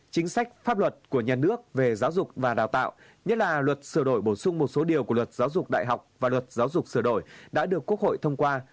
chính sách pháp luật của nhà nước về giáo dục và đào tạo nhất là luật sửa đổi bổ sung một số điều của luật giáo dục đại học và luật giáo dục sửa đổi đã được quốc hội thông qua